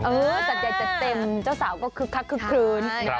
เออจะเต็มเจ้าสาวก็คึกคืน